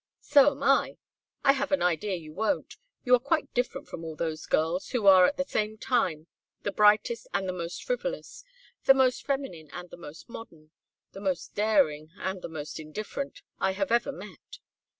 "So am I! I have an idea you won't. You are quite different from all those girls, who are at the same time the brightest and the most frivolous, the most feminine and the most modern, the most daring and the most indifferent, I have ever met.